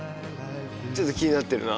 ちょっと気になってるな。